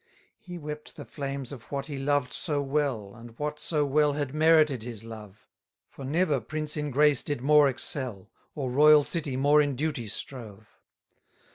241 He wept the flames of what he loved so well, And what so well had merited his love: For never prince in grace did more excel, Or royal city more in duty strove.